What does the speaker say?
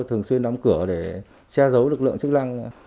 thường xuyên đóng cửa để che giấu lực lượng chức năng